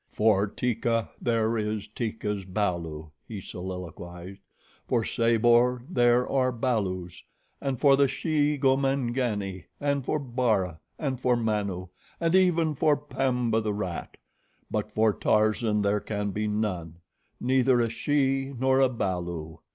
"For Teeka there is Teeka's balu," he soliloquized; "for Sabor there are balus, and for the she Gomangani, and for Bara, and for Manu, and even for Pamba, the rat; but for Tarzan there can be none neither a she nor a balu.